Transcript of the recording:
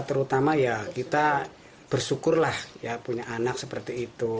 terutama ya kita bersyukur lah punya anak seperti itu